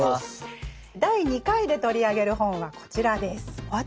第２回で取り上げる本はこちらです。